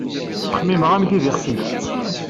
Ttxemmimeɣ amek i d ixef-is.